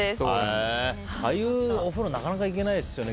ああいうお風呂なかなか行けないですよね